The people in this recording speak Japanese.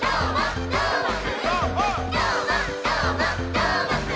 「どーもくん！」